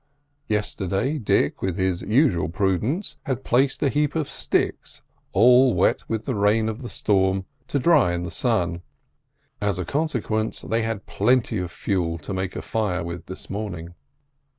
Yesterday, Dick, with his usual prudence, had placed a heap of sticks, all wet with the rain of the storm, to dry in the sun: as a consequence, they had plenty of fuel to make a fire with this morning.